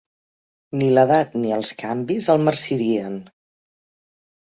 Ni l'edat ni els canvis el marcirien.